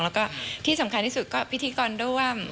แล้วก็ที่สำคัญที่สุดก็พิธีกรร่วม